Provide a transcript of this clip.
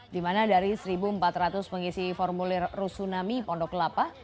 di mana dari satu empat ratus pengisi formulir rusunami pondok kelapa